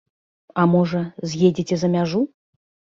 А можа, з'едзеце за мяжу?